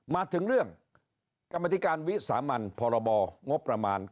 มาถึงเรื่องกรรมธิการวิสามันพรบงบประมาณ